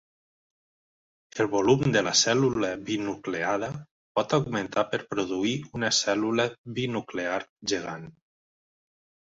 El volum de la cèl·lula binucleada pot augmentar per produir una cèl·lula binuclear gegant.